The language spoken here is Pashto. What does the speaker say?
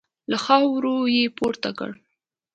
له خاورو يې پورته کړه.